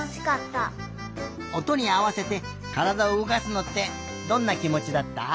おとにあわせてからだをうごかすのってどんなきもちだった？